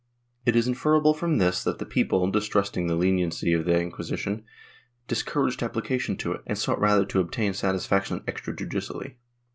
^ It is inferable from this, that the people, distrusting the leniency of the Inquisition, discouraged application to it, and sought rather to obtain satisfaction extra judicially.